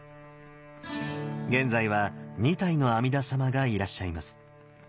現在は２体の阿弥陀様がいらっしゃいます。